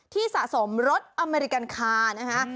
ที่สะสมรถอเมริกันคาร์นะฮะ